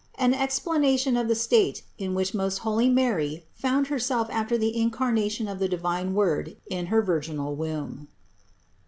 AN EXPLANATION OF THE STATE IN WHICH MOST HOLY MARY FOUND HERSELF AFTER THE INCARNATION OF THE DIVINE WORD IN HER VIRGINAL WOMB.